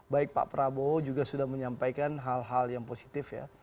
baik pak prabowo juga sudah menyampaikan hal hal yang positif ya